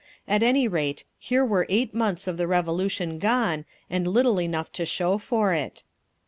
At any rate, here were eight months of the Revolution gone, and little enough to show for it….